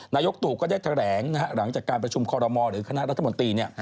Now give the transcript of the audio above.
นายกตู่ก็ได้แถลงหลังจากการประชุมคอรมอลหรือคณะรัฐมนตรี